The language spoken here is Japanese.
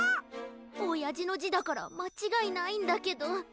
おやじのじだからまちがいないんだけど。